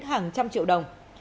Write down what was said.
hàng trăm triệu đồng